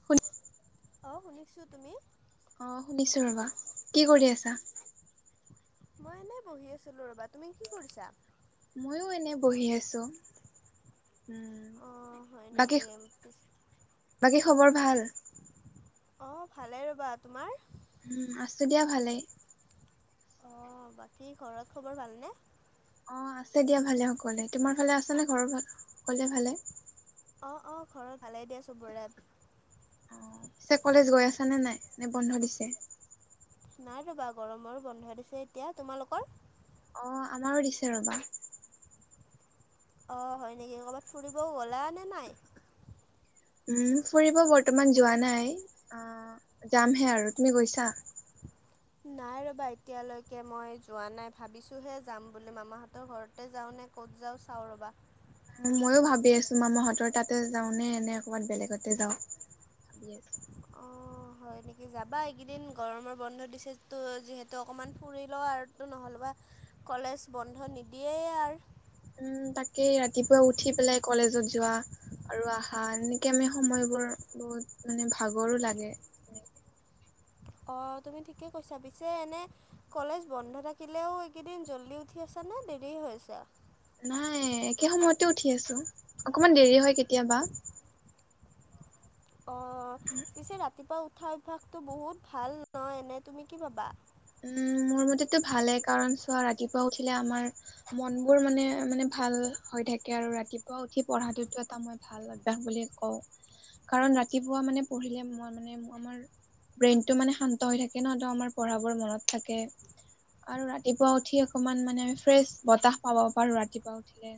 শুন [unintelligible] অ', শুনিছোঁ তুমি। অ' শুনিছোঁ ৰবা, কি কৰি আছা? মই এনেই বহি আছিলোঁ ৰ'বা। তুমি কি কৰিছা? ময়ো এনে বহি আছোঁ। অ উম, হয় বাকী, নেকি পিছ বাকী খবৰ ভাল? অ' ভালেই ৰ'বা, তোমাৰ? উম, আছোঁ দিয়া ভালেই। অ' বাকী ঘৰত খবৰ ভালনে? অ' আছে দিয়া ভালে সকলোৱে। তোমাৰ ভালে আছনে ঘৰৰ সকলোৱে ভালে? অ', অ' ঘৰৰ ভালেই দিয়া চবৰে। ছে কলেজ গৈ আছ নে নাই, নে বন্ধ দিছে? নাই ৰ'বা গৰমৰ বন্ধ দিছে এতিয়া। তোমালোকৰ? অ' আমাৰো দিছে ৰ'বা। অ' হয় নেকি, ক'ৰবাত ফুৰিবও গ'লা নে নাই? উম, ফুৰিব বৰ্তমান যোৱা নাই, অ' যামহে আৰু। তুমি গৈছা? নাই ৰ'বা এতিয়ালৈকে মই যোৱা নাই, ভাবিছোঁহে যাম বুলি মামাহঁতৰ ঘৰত। তে যাওঁ নে ক'ত যাওঁ চাওঁ ৰ'বা। ময়ো ভাবি আছোঁ মামাহঁতৰ তাতে যাওঁ নে, নে ক'বাত বেলেগতে যাওঁ ভাবি আছোঁ। অ'। হয় নেকি, যাবা এইকেইদিন গৰমৰ বন্ধ দিছেতো যিহেতু অকমান ফুৰি লোৱা আৰুতো নহ'লেবা কলেজ বন্ধ নিদিয়েই আৰ। উম, তাকেই ৰাতিপুৱা উঠি পেলাই কলেজত যোৱা আৰু আহা, এনেকে আমি সময়বোৰ বহুত মানে ভাগৰো লাগে। অ' তুমি ঠিকে কৈছা, পিছে এনে কলেজ বন্ধ থাকিলেও এইকেইদিন জল্দি উঠি আছ নে দেৰি হৈ আছে? নাই একে সময়তে উঠি আছোঁ, অকমান দেৰি হয় কেতিয়াবা। অ' পিছে ৰাতিপুৱা উঠা অভ্যাসটো বহুত ভাল ন, এনে তুমি কি ভাবা? উম, মোৰ মতেতো ভালে কাৰণ চোৱা ৰাতিপুৱা উঠিলে আমাৰ মনবোৰ মানে মানে ভাল হৈ থাকে আৰু ৰাতিপুৱা উঠি পঢ়াটোতো এটা মই ভাল ভাল অভ্যাস বুলি কওঁ কাৰণ ৰাতিপুৱা মানে পঢ়িলে মই মানে আমাৰ ব্ৰেইনটো মানে শান্ত হৈ থাকে ন' ত' আমাৰ পঢ়াবোৰ মনত থাকে। আৰু ৰাতিপুৱা উঠি অকমান মানে ফ্ৰেছ বতাহ পাব পাৰোঁ ৰাতিপুৱা উঠিলে।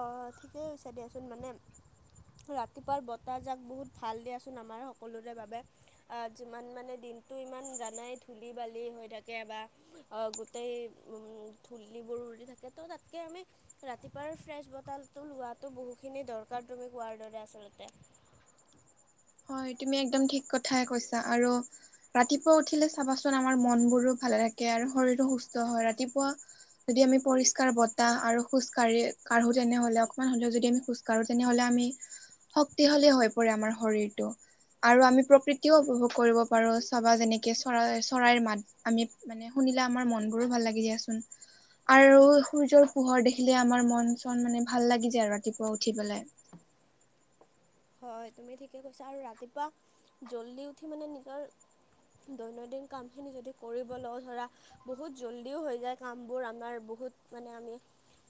অ' ঠিকেই হৈছে দিয়াচোন মানে ৰাতিপুৱাৰ বতাহ যাক বহুত ভাল দিয়াচোন আমাৰ সকলোৰে বাবে। আ, যিমান মানে দিনটো ইমান জানাই ধূলি বালি হৈ থাকে বা অ' গোটেই ধূলিবোৰ উৰি থাকে ত' তাতকে আমি ৰাতিপুৱাৰ ফ্ৰেছ বটালটো লোৱাটো বহুতখিনি দৰকাৰ তুমি কোৱাৰ দৰে আচলতে। হয় তুমি একদম ঠিক কথাই কৈছা, আৰু ৰাতিপুৱা উঠিলে চাবাচোন আমাৰ মনবোৰো ভালে থাকে আৰু শৰীৰো সুস্থ হয়, ৰাতিপুৱা যদি আমি পৰিষ্কাৰ বতাহ আৰু খোজ কঢ়ি কাঢ়ো তেনেহ'লে অকনমান হ'লেও যদি আমি খোজ কাঢ়ো তেনেহ'লে আমি শক্তিশালী হৈ পৰে আমাৰ শৰীৰ টো, আৰু আমি প্ৰকৃতিও উপভোগ কৰিব পাৰোঁ, চাবা যেনেকে চৰা চৰাইৰ মাত। আমি মানে শুনিলে আমাৰ মনবোৰো ভাল লাগি দিয়াচোন। আৰু সূৰ্যৰ পোহৰ দেখিলে আমাৰ মন চন মানে ভাল লাগি যায় আৰু ৰাতিপুৱা উঠি পেলাই। হয় তুমি ঠিকে কৈছা, আৰু ৰাতিপুৱা জল্দি উঠি মানে নিজৰ দৈনন্দিন কামখিনি যদি কৰিব লওঁ ধৰা বহুত জল্দিও হৈ যায় কামবোৰ, আমাৰ বহুত মানে আমি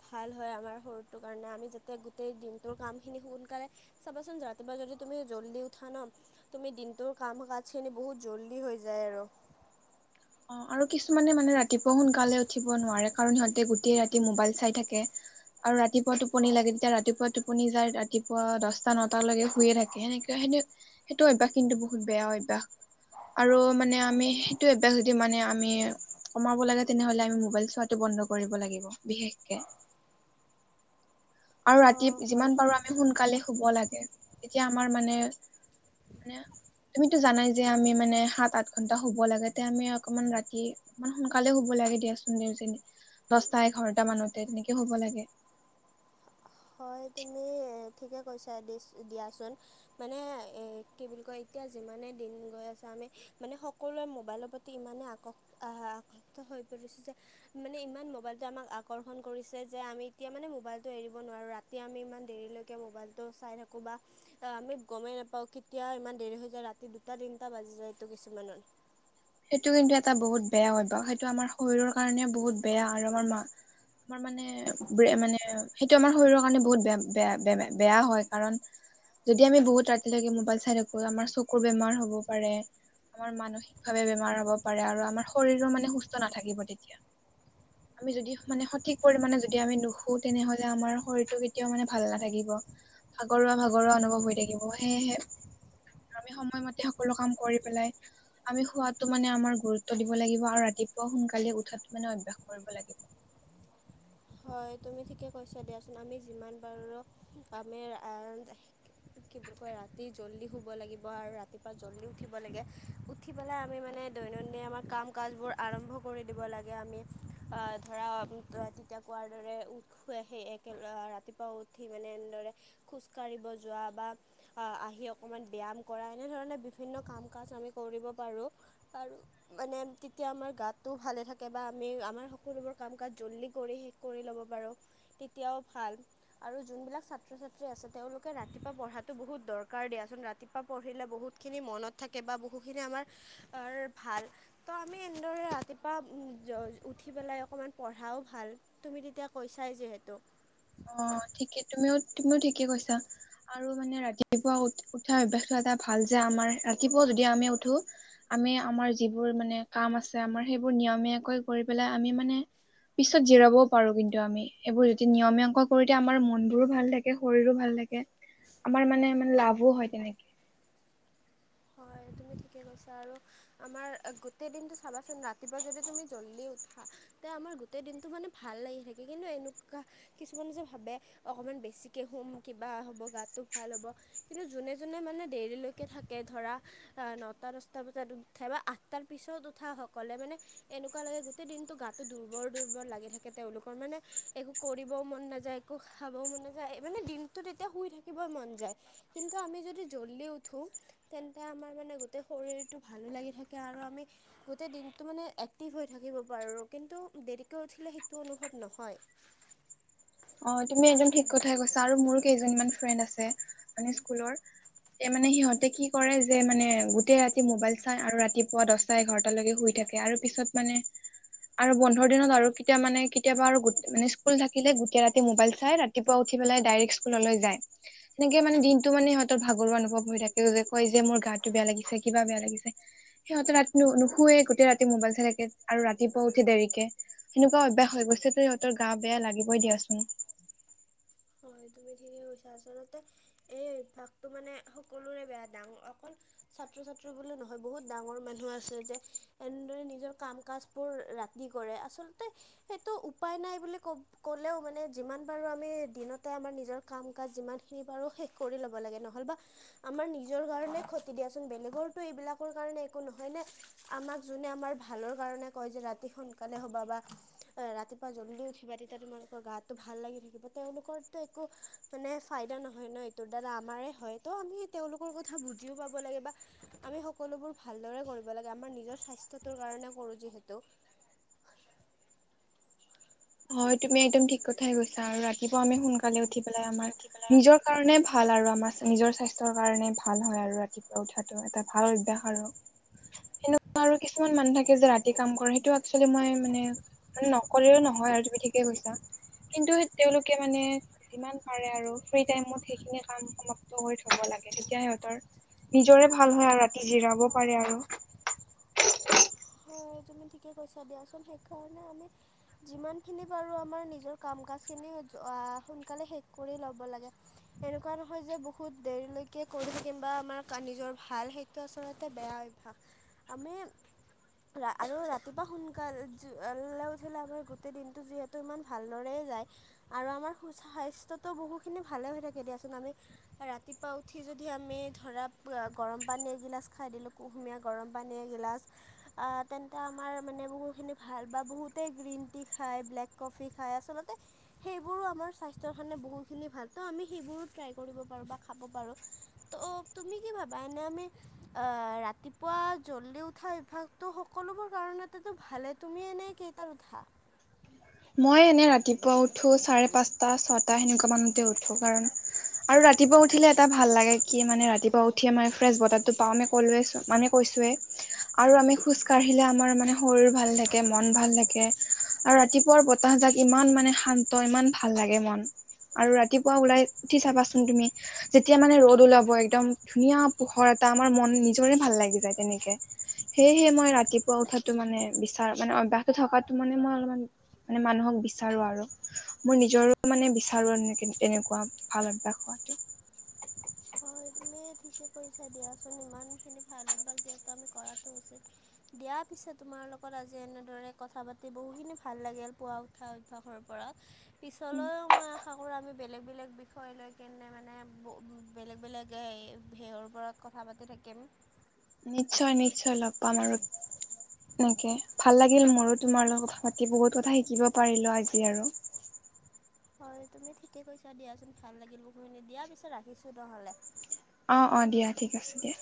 ভাল হয় আমাৰ শৰুীৰটোৰ কাৰণে, আমি যাতে গোটেই দিনটোৰ কামখিনি সোনকালে চাবাচোন ৰাতিপুৱা যদি তুমি জল্দি উঠা ন তুমি দিনটোৰ কাম কাজখিনি বহুত জল্দি হৈ যায় আৰু। অ' আৰু কিছুমানে মানে ৰাতিপুৱা সোনকালে উঠিব নোৱাৰে কাৰণ সিহঁতে গোটেই ৰাতি মোবাইল চাই থাকে। আৰু ৰাতিপুৱা টোপনি লাগে, তেতিয়া ৰাতিপুৱা টোপনি যাই, ৰাতিপুৱা দহটা নটা লৈকে শুয়ে থাকে সেনেকুৱা সেনে সেইটো অভ্যাস কিন্তু বহুত বেয়া অভ্যাস, আৰু মানে আমি সেইটো অভ্যাস যদি মানে আমি কমাব লাগে তেনেহ'লে আমি মোবাইল চোৱাটো বন্ধ কৰিব লাগিব বিশেষকে। আৰু ৰাতি অঁ হয় যিমান পাৰোঁ আমি সোনকালে শুব লাগে এতিয়া আমাৰ মানে মানে তুমিততো জানাই যে আমি মানে সাত আঠ ঘন্টা শুব লাগে তে আমি অকনমান ৰাতি ইমান সোনকালে শুব লাগে দিয়াচোন, দেউ যে দহটা এঘাৰটা মানতে তেনেকে শুব লাগে। [inaudible] হয় তুমি ঠিকে কৈছা, দি দিয়াচোন। মানে এ, কি বুলি কয় এতিয়া যিমানে দিন গৈ আছে আমি মানে সকলোৱে মোবাইলৰ ইমানেই আক আকক্ত হৈ পৰিছে যে মানে ইমান মোবাইলটো আমাক আকৰ্ষণ কৰিছে যে আমি এতিয়া মানে মোবাইলটো এৰি নোৱাৰোঁ, ৰাতি আমি ইমান দেৰিলৈকে মোবাইলটো চাই থাকোঁ বা ত' আমি গ'মেই নাপাও কেতিয়া ইমান দেৰি হৈ যায়, ৰাতি দুটা তিনিটা বাজি যায় এইটো কিছুমানৰ। সেইটো কিন্তু এটা বহুত বেয়া হয় বা সেইটো আমাৰ শৰীৰৰ কাৰণে বহুত বেয়া আৰু আমাৰ মা আমাৰ মানে মানে সেইটো আমাৰ শৰীৰৰ কাৰণে বহুত বে-বেয়া বে-বেয়া হয় কাৰণ যদি আমি বহুত ৰাতিলৈকে মোবাইল চাই থাকোঁ আমাৰ চকুৰ বেমাৰ হ'ব পাৰে, আমাৰ মানসিক ভাৱে বেমাৰ হ'ব পাৰে আৰু আমাৰ শৰীৰো মানে সুস্থ নাথাকিব তেতিয়া। [inaudible] আমি যদি মানে সঠিক পৰিমানে যদি আমি নুশুও তেনেহ'লে আমাৰ শৰীৰটো কেতিয়াও মানে ভাল নাথাকিব। ভাগৰুৱা ভাগৰুৱা অনুভৱ হৈ থাকিব, সেয়েহে আমি সময়মতে সকলো কাম কৰি পেলাই আমি শুৱাটো মানে আমাৰ গুৰুত্ব দিব লাগিব আৰু ৰাতিপুৱা সোনকালে উঠাটো মানে অভ্যাস কৰিব লাগিব। হয় তুমি ঠিকে কৈছা দিয়াচোন, আমি যিমান পাৰো আমি আ কি বুলি কয়, ৰাতি জল্দি শুব লাগিব আৰু ৰাতিপুৱা জল্দি উঠিব লাগে। উঠি পেলাই আমি মানে দৈনন্দিন আমাৰ কাম কাজবোৰ আৰম্ভ কৰি দিব লাগে আমি, আ, ধৰা তেতিয়া কোৱাৰ দৰে উঠ সেই একেল ৰাতিপুৱা উঠি মানে এনেদৰে খোজকাঢ়িব যোৱা বা আহি অকমান ব্যায়াম কৰা, এনেধৰণে বিভিন্ন কাম কাজ আমি কৰিব পাৰোঁ। পাৰোঁ। মানে তেতিয়া আমাৰ গাটোও ভালে থাকে বা আমি আমাৰ সকলোবোৰ কাম কাজ জল্দি কৰি শেষ কৰি ল'ব পাৰোঁ তেতিয়াও ভাল। আৰু যোনবিলাক ছাত্ৰ ছাত্ৰী আছে তেওঁলোকে ৰাতিপুৱা পঢ়াটো বহুত দৰকাৰ দিয়াচোন, ৰাতিপুৱা পঢ়িলে বহুত খিনি মনত থাকে বা বহুখিনি আমাৰ ভাল ত' আমি এনেদৰে ৰাতিপুৱা উঠি পেলাই অকণমান পঢ়াও ভাল। তুমি তেতিয়া কৈছাই যিহেতু। অ' ঠিকে, তুমিও তুমিও ঠিকে কৈছা। আৰু মানে ৰাতিপুৱা উ-উঠা অভ্যাসটো এটা ভাল যে আমাৰ, ৰাতিপুৱা যদি আমি উঠো আমি আমাৰ যিবোৰ মানে কাম আছে আমাৰ সেইবোৰ নিয়মীয়াকৈ কৰি পেলাই আমি মানে পিছত জিৰাবও পাৰোঁ কিন্তু আমি এইবোৰ যদি নিয়মীয়া কৰোঁতে আমাৰ মনবোৰো ভাল থাকে, শৰীৰো ভাল থাকে, আমাৰ মানে মে লাভো হয় তেনেকে। হয় তুমি ঠিকেই কৈছা, আৰু আমাৰ, গোটেই দিনটো চাবাচোন ৰাতিপুৱা যদি তুমি জল্দি উঠা তে আমাৰ গোটেই দিনটো মানে ভাল লাগি থাকে কিন্তু এনেকুৱা কিছুমানে যে ভাবে অকমান বেছিকে শুম, কিবা হ'ব, গাটো ভাল হ'ব। কিন্তু জোনে জোনে মানে দেৰিলৈকে থাকে ধৰা আ, নটা, দহটা বজাত উঠে বা আঠটাৰ পিছত উঠাসকলে মানে এনেকুৱা লাগে গোটেই দিনটো গাটো দুৰ্বল দুৰ্বল লাগি থাকে তেওঁলোকৰ মানে একো কৰিবও মন নাযায়, একো খাবও মন নাযায়, মানে দিনটোত এতিয়া শুই থাকিব মন যায়। কিন্তু আমি যদি জল্দি উঠো তেন্তে আমাৰ মানে গোটেই শৰীৰটো ভালো লাগি থাকে আৰু আমি গোটেই দিনটো মানে এক্টিভ হৈ থাকিব পাৰোঁ কিন্তু দেৰিকৈ উঠিলে সেইটো অনুভৱ নহয়।। অহ, তুমি একদম ঠিক কথাই কৈছা আৰু মোৰ কেইজনীমান ফ্ৰেণ্ড আছে মানে স্কুলৰ। তে মানে সিহঁতে কি কৰে যে মানে গোটেই ৰাতি মোবাইল চাই আৰু ৰাতিপুৱা দহ দহটা‌ এঘৰটালৈকে শুই থাকে আৰু পিছত মানে আৰু বন্ধৰ দিনত আৰু কেতিয়া মানে কেতিয়াবা আৰু গো মানে স্কুল থাকিলে গোটেই ৰাতি মোবাইল চাই ৰাতিপুৱা উঠি পেলাই ডাইৰেক্ট স্কুললৈ যায়। সেনেকে মানে দিনটো মানে সিহঁতৰ ভাগৰুৱা অনুভৱ হৈ থাকে। যে কয় যে মোৰ গাটো বেয়া লাগিছে কিবা বেয়া লাগিছে। সিহঁতে ৰাতি নুশুৱে গোটেই ৰাতি মোবাইল চাই থাকে আৰু ৰাতিপুৱা উঠি দেৰিকে। সেনেকুৱা অভ্যাস হৈ গৈছে ত' সিহঁতৰ গা বেয়া লাগিবই দিয়াচোন। হয় তুমি ঠিকে কৈছা আচলতে এই অভ্যাসটো মানে সকলোৰে বেয়া ডাঙৰ অকল ছাত্ৰ-ছাত্ৰী বুলি নহয় বহুত ডাঙৰ মানুহ আছে যে এনেদৰে নিজৰ কাম কাজবোৰ ৰাতি কৰে আচলতে সেইটো উপায় নাই বুলি ক-ক'লেও মানে যিমান পাৰোঁ আমি দিনত দিনতে আমাৰ নিজৰ কাম-কাজ যিমানখিনি পাৰোঁ শেষ কৰি ল'ব লাগে নহ'ল বা আমাৰ নিজৰ কাৰণে ক্ষতি দিয়াচোন বেলেগতো এইবিলাকৰ কাৰণে একো নহয়নে। আমাক যোনে আমাৰ ভালৰ কাৰণে কয় যে ৰাতি সোনকালে শুবা বা ৰাতিপুৱা জল্দি উঠিবা তেতিয়া তোমালোকৰ গাটো ভাল লাগি থাকিবা, তেওঁলোকৰতো একো মানে ফাইদা নহয় ন' এইটো দ্বাৰা আমাৰে হয় ত' আমি তেওঁলোকৰ কথা বুজিও পাব লাগে বা আমি সকলোবোৰ ভালদৰে কৰিব লাগে, আমাৰ নিজৰ স্বাস্থ্যটোৰ কাৰণে কৰোঁ যিহেতু। হয় তুমি একদম ঠিক কথাই গৈছা আৰু ৰাতিপুৱা আমি সোনকালে উঠি পেলাই আমাৰ নিজৰ কাৰণে ভাল আৰু আমাৰ নিজৰ স্বাস্থ্যৰ কাৰণে ভাল হয় আৰু ৰাতিপুৱা উঠাতটো এটা ভাল অভ্যাস আৰু। সেনেকুৱা আৰু কিছুমান মানুহ থাকে যে ৰাতি কাম কৰে সেইটো আক আচলতে মই মানে মানে নকৰেও নহয় আৰু। ঠিকে কৈছা কিন্তু তেওঁলোকে মানে যিমান পাৰে আৰু ফ্ৰী টাইমত সেইখিনি কাম সমাপ্ত কৰি থ'ব লাগে, তেতিয়া সিহঁতৰ নিজৰে ভাল হয় আৰু ৰাতি জিৰাব পাৰে আৰু। হয় তুমি ঠিকে কৈছা দিয়াচোন। সেইকাৰণে আমি যিমানখিনি পাৰোঁ আমাৰ নিজৰ কাম-কাজখিনি অহ, সোনকালে শেষ কৰি ল'ব লাগে। এনেকুৱা নহয় যে বহুত দেৰিলৈকে কৰি থাকিমা বা আমাৰ নিজৰ ভাল সেইটো আচলতে বেয়া অভ্যাস। আমি আৰু ৰাতিপুৱা সোনকালে [unintelligible] উঠিলে আমাৰ গোটেই দিনটো যিহেতু ইমান ভালদৰেই যায়। আৰু আমাৰ সু-স্বাস্থ্যটো বহুখিনি ভালে হৈ থাকে দিয়াচোন আমি ৰাতিপুৱা উঠি যদি আমি ধৰা গৰম পানী এগিলাচ খাই দিলোঁ। কুহুমীয়া গৰম পানী এগিলাচ। অহ, তেন্তে আমাৰ মানে বহুখিনি ভাল বা বহুতেই গ্ৰীণ টি খায়, ব্লেক কফি খায় আচলতে সেইবোৰো আমাৰ স্বাস্থ্যৰ কাৰণে বহুতখিনি ভাল। ত' আমি সেইবোৰো ট্ৰাই কৰিব পাৰোঁ বা খাব পাৰোঁ। ত' তুমি কি ভাবা এনেই আমি আহ ৰাতিপুৱা জ্বল্দি উঠা অভ্যাস ত' সকলোবোৰ কাৰণতেতো ভালে। তুমি এনেই কেইটা উঠা? মই এনেই ৰাতিপুৱা উঠো চাৰে পাঁচটা ছয়টা সেনেকুৱা মানতে উঠো কাৰণ আৰু ৰাতিপুৱা উঠিলে এটা ভাল লাগে কি মানে ৰাতিপুৱা উঠিয়ে মই ফ্ৰেছ বতাৰটো পাওঁ আমিয়ে ক'লোৱেচোন মানে কৈছোৱেই। আৰু আমি খোজ কাঢ়িলে আমাৰ মানে শৰীৰ ভাল থাকে, মন ভাল থাকে। আৰু ৰাতিপুৱাৰ বতাহজাক ইমান মানে শান্ত ইমান ভাল লাগে মন। আৰু ৰাতিপুৱা ওলাই উঠি চাবাচোন তুমি। যেতিয়া মানে ৰ'দ ওলাব একদম ধুনীয়া পোহৰ এটা, আমাৰ মন নিজৰে ভাল লাগি যায় তেনেকে। সেয়েহে মই ৰাতিপুৱা উঠাতো মানে বিচাৰোঁ, মানে অভ্যাস থকাতো মানে মই অলপমান মানে মানুহক বিচাৰোঁ আৰু। মোৰ নিজৰো মানে বিচাৰো আৰু তেনে-তেনেকুৱা ভাল অভ্যাস হোৱাটো। হয় তুমি ঠিকে কৰিছা দিয়াচোন ইমানখিনি ভাল অভ্যাস যিহেতু আমি কৰাটো উচিত। দিয়াৰ পিছে তোমাৰ লগত আজি এনেদৰে কথা পাতি বহুখিনি ভাল লাগিল। পোৱা উঠা অভ্যাসৰ ওপৰত। পিছলৈও মই আশা কৰোঁ আমি বেলেগ-বেলেগ বিষয় লৈ কেনে মানে ব-বেলেগ-বেলেগ গে ভেহৰ ওপৰত কথা পাতি থাকিম। নিশ্চয়-নিশ্চয় লগ পাম আৰু। এনেকে ভাল লাগিল মোৰো তোমাৰ লগত কথা পাতি বহুত কথা শিকিব পাৰিলো আজি আৰু। হয় তুমি ঠিকে কৈছা দিয়াচোন ভাল লাগিল বহুখিনি দিয়া পিছত ৰাখিছোঁ নহ'লে। অঁ, অঁ, দিয়া ঠিক আছে দিয়া।